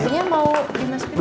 sepatunya mau dimasukin